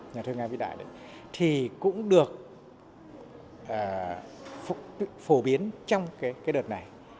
nhà thơ nga vĩ đại đấy thì cũng được phổ biến trong cái đợt này